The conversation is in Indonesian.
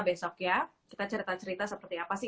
besok ya kita cerita cerita seperti apa sih